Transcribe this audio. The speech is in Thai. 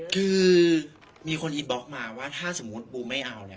คือมีคนอินบอล์คมาถ้าปุ้มไม่เอา